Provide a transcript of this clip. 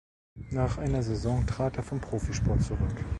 Nach einer Saison trat er vom Profisport zurück.